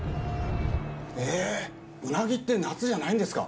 えぇウナギって夏じゃないんですか？